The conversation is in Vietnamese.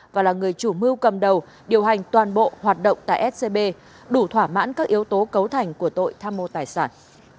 và là người chủ mưu cầm đầu điều hành toàn bộ hoạt động tại scb đủ thỏa mãn các yếu tố cấu thành của tội tham mô tài sản